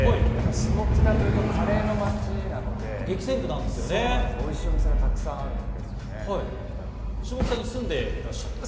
下北というとカレーの街なので、おいしいお店がたくさんあるんで下北に住んでいらっしゃった？